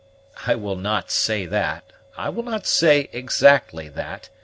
"I will not say that, I will not say exactly that.